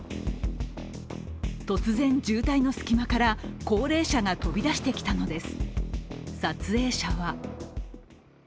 突然、渋滞の隙間から高齢者が飛び出してきたのです。